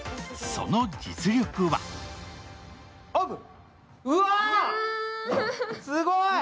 その実力はうわっ、すごい。